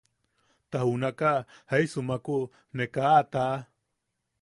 Ta junaka jaisumaku ne ka a taʼa.